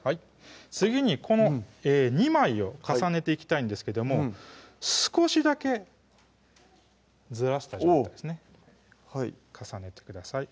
次にこの２枚を重ねていきたいんですけども少しだけずらした状態ですねはい重ねてください